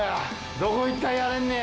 どこ行ったらやれんねや？